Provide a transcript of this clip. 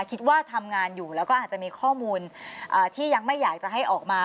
คิดว่าทำงานอยู่แล้วก็อาจจะมีข้อมูลที่ยังไม่อยากจะให้ออกมา